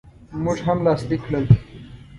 موږ هم لاسلیک کړل.